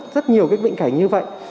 rất nhiều cái bệnh cảnh như vậy